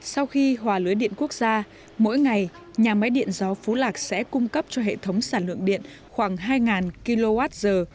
sau khi hòa lưới điện quốc gia mỗi ngày nhà máy điện gió phú lạc sẽ cung cấp cho hệ thống sản lượng điện khoảng hai kwh